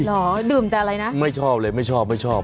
ดื่มแต่อะไรนะไม่ชอบเลยไม่ชอบไม่ชอบ